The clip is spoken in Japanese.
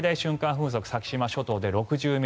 風速先島諸島で６０ｍ